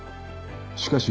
しかし。